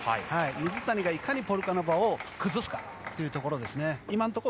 水谷がいかにポルカノバを崩すかというところですね。